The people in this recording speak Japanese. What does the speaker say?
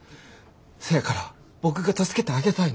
せやから僕が助けてあげたいねん。